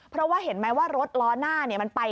เพราะว่าเห็นไหมว่ารถล้อหน้ามันไป